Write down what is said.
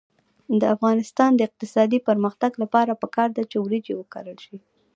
د افغانستان د اقتصادي پرمختګ لپاره پکار ده چې وریجې وکرل شي.